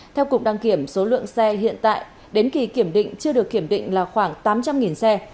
theo cục đăng kiểm số lượng xe hiện tại đến kỳ kiểm định chưa được kiểm định là khoảng tám trăm linh xe